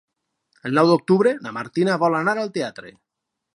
El nou d'octubre na Martina vol anar al teatre.